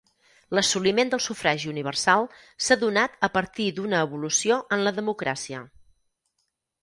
L'assoliment del sufragi universal s'ha donat a partir d'una evolució en la democràcia.